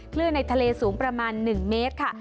คลื่นในทะเลสูงประมาณ๑เมตรค่ะ